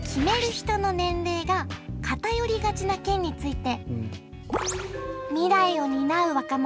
ひとの年齢が偏りがちな件について。